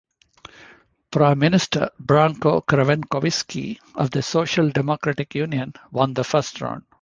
Prime Minister Branko Crvenkovski of the Social Democratic Union won the first round.